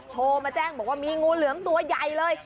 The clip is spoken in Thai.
โทรมาแจ้งบอกว่ามีงูเหลือมตัวใหญ่เลย